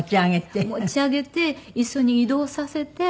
持ち上げて椅子に移動させて。